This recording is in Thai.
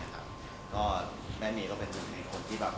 เออเราชอบที่นี่ครับเป็นไงคะที่ออกมาวันนี้แบบโห